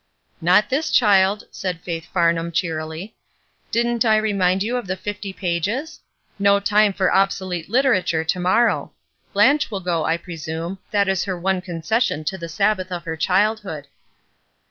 "Not this child," said Faith Farnham, cheer fully, " Didn't I remind you of the fifty pages ? No time for obsolete literature to morrow. Blanche will go, I presume. That is her one concession to the Sabbath of her childhood."